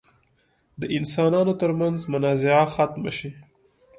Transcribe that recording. د انسانانو تر منځ منازعه ختمه شي.